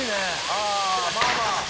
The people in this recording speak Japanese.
「ああーまあまあ。